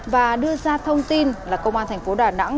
và đưa ra thông tin là công an thành phố đà nẵng